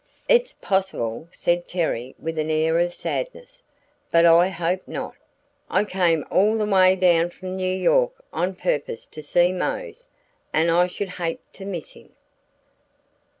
"It's possible," said Terry with an air of sadness, "but I hope not. I came all the way down from New York on purpose to see Mose, and I should hate to miss him."